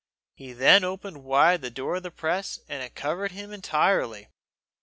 He then opened wide the door of the press, and it covered him entirely.